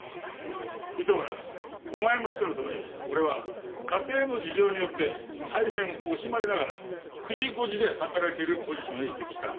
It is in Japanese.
糸村お前も知ってのとおり俺は家庭の事情によって大変惜しまれながら９時５時で働けるポジションへ移籍した。